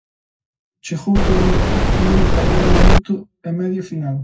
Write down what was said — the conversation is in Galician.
Chegou todo moi igualado ao minuto e medio final.